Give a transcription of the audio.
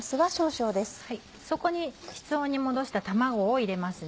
そこに室温に戻した卵を入れます。